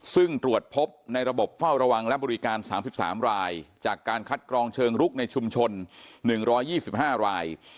ซึ่งตรวจพบในระบบเฝ้าระวังและบริการ๓๓รายจากการคัดกรองเชิงลุกในชุมชน๑๒๕ราย